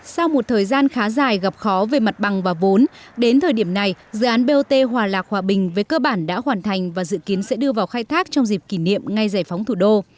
sau một thời gian khá dài gặp khó về mặt bằng và vốn đến thời điểm này dự án bot hòa lạc hòa bình với cơ bản đã hoàn thành và dự kiến sẽ đưa vào khai thác trong dịp kỷ niệm ngay giải phóng thủ đô